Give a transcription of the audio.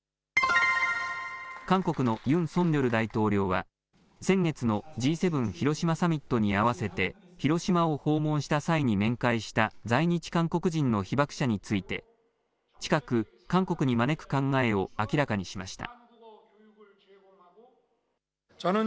韓国のユン・ソンニョル大統領は、先月のＧ７広島サミットに合わせて広島を訪問した際に面会した在日韓国人の被爆者について、近く韓国に招く考えを明らかにしました。